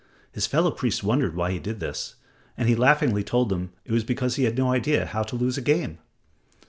His fellow priests wondered why he did this, and he laughingly told them it was because he had no idea how to lose a game.